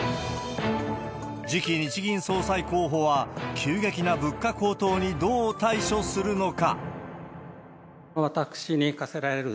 次期日銀総裁候補は、急激な物価高騰にどう対処するのか。